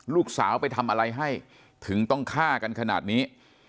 ลูกสาวไปทำอะไรให้ถึงต้องฆ่ากันขนาดนี้